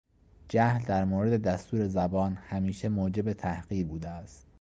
جهل در مورد دستور زبان همیشه موجب تحقیر بوده است.